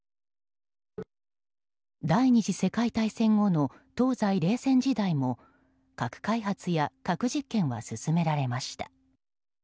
第２次世界大戦後の東西冷戦時代も核開発や核実験が進められました。